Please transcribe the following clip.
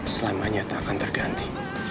selamanya tak akan terganti